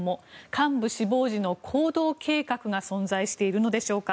幹部死亡時の行動計画が存在しているのでしょうか。